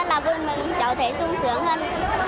rất là vui mừng cháu thấy xung sướng hơn